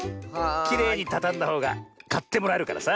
きれいにたたんだほうがかってもらえるからさ。